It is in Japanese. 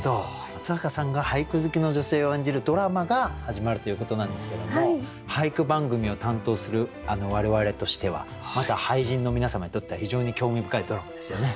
松坂さんが俳句好きの女性を演じるドラマが始まるということなんですけども俳句番組を担当する我々としてはまた俳人の皆様にとっては非常に興味深いドラマですよね。